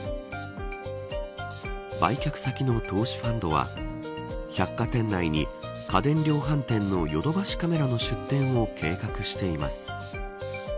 売却先の投資ファンドは百貨店内に家電量販店のヨドバシカメラの出店を計画しています。